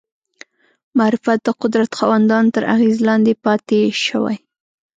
معرفت د قدرت خاوندانو تر اغېزې لاندې پاتې شوی